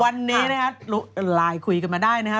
วันนี้นะครับลายคุยกันมาได้นะครับ